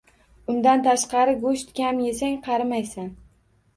Undan tashqari go`sht kam esang, qarimaysan